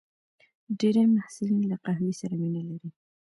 ډېری محصلین له قهوې سره مینه لري.